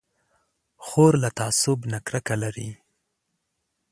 خور له تعصب نه کرکه لري.